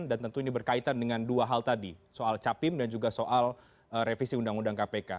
dan tentu ini berkaitan dengan dua hal tadi soal capim dan juga soal revisi undang undang kpk